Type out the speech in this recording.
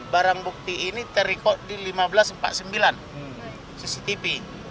barang bukti ini terikot di seribu lima ratus empat puluh sembilan cctv